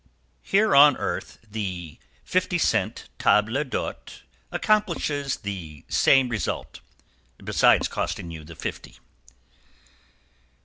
=Here on earth, the 50 cent table d'hote accomplishes the same result besides costing you the fifty.